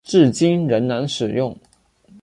至今仍然使用。